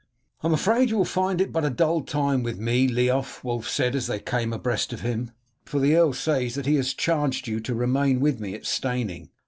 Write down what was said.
"I am afraid you will find it but dull time with me, Leof," Wulf said as they came up abreast of him, "for the earl says that he has charged you to remain with me at Steyning."